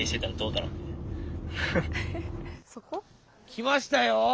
来ましたよ